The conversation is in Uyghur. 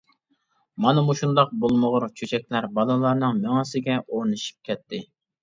مانا مۇشۇنداق بولمىغۇر چۆچەكلەر بالىلارنىڭ مېڭىسىگە ئورنىشىپ كەتتى.